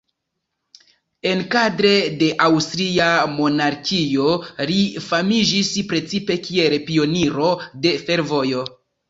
Enkadre de aŭstria monarkio li famiĝis precipe kiel pioniro de fervojo.